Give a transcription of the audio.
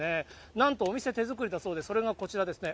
なんとお店、手作りだそうで、それがこちらですね。